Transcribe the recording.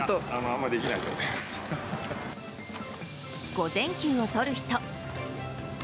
午前休をとる人。